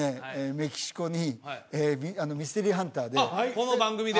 メキシコにミステリーハンターであっこの番組で？